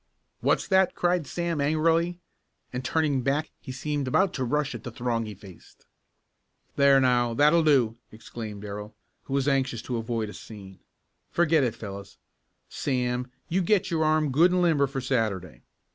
"What's that?" cried Sam angrily, and turning back he seemed about to rush at the throng he faced. "There now, that'll do!" exclaimed Darrell, who was anxious to avoid a scene. "Forget it, fellows. Sam, you get your arm good and limber for Saturday.